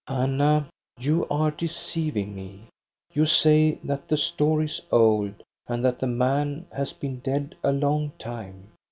''Anna, you are deceiving me. You say that the story is old, and that the man has been dead a long time.